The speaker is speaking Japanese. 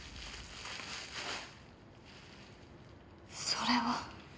それは。